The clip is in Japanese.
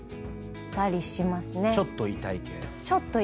ちょっと痛い系？